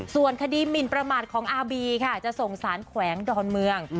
ส่วนคดีหมินประมาทของอาบีค่ะจะส่งสารแขวงดอนเมือง